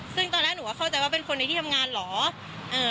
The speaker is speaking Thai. ซึ่งตอนแรกหนูก็เข้าใจว่าเป็นคนในที่ทำงานเหรอ